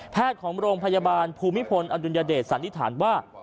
แพทย์ของโรงพยาบาลภูมิพลอดุญเดชร์สันนิษฐานว่า